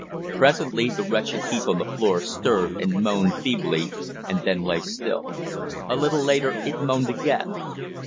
Presently the wretched heap on the floor stirred and moaned feebly, and then lay still. A little later it moaned again.